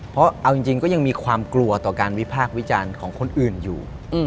เพราะเอาจริงก็ยังมีความกลัวต่อการวิพากษ์วิจารณ์ของคนอื่นอยู่